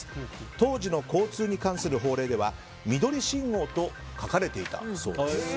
当時の交通に関する法令では緑信号と書かれていたそうです。